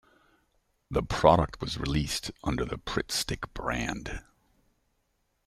The product was released under the Pritt Stick brand.